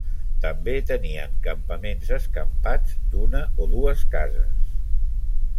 També tenien campaments escampats d'una o dues cases.